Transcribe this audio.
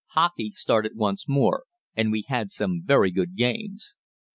Hockey started once more, and we had some very good games.